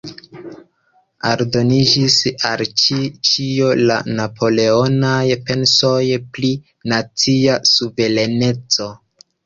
Aldoniĝis al ĉi-ĉio la napoleonaj pensoj pri nacia suvereneco.